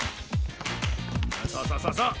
そうそうそうそうそう！